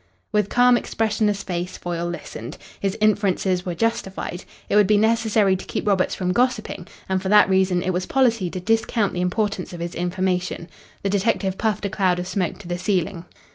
With calm, expressionless face Foyle listened. His inferences were justified. It would be necessary to keep Roberts from gossipping, and for that reason it was policy to discount the importance of his information. The detective puffed a cloud of smoke to the ceiling.